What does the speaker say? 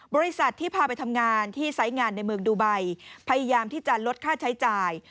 บริษัทที่พาไปทำงานที่ไซส์งานในเมืองดูไบพยายามที่จะลดค่าใช้จ่าย